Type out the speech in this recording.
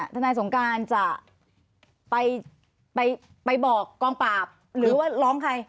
ท่านนายสงการจะไปไปไปบอกกองปราบหรือว่าล้อมใคร